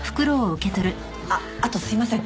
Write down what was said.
あっあとすいません。